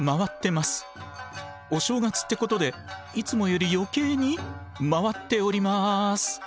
お正月ってことでいつもより余計に回っております。